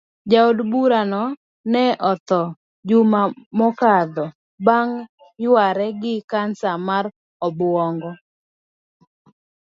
Jaod burano ne otho juma mokadho bang yuare gi cancer mar obuongo.